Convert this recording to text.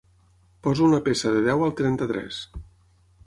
Poso una peça de deu al trenta-tres.